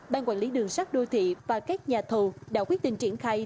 ban quản lý đường sắt đô thị và các nhà thầu đã quyết định triển khai